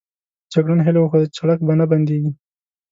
جګړن هیله وښوده چې سړک به نه بندېږي.